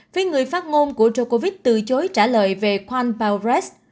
phi người phát ngôn của djigovic từ chối trả lời về quam biores